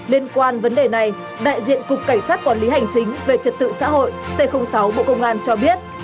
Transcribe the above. liên quan vấn đề này đại diện cục cảnh sát quản lý hành chính về trật tự xã hội c sáu bộ công an cho biết